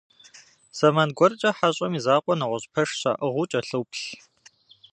Зэман гуэркӏэ «хьэщӏэм» и закъуэ нэгъуэщӏ пэш щаӏыгъыу кӏэлъоплъ.